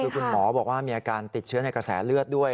คือคุณหมอบอกว่ามีอาการติดเชื้อในกระแสเลือดด้วย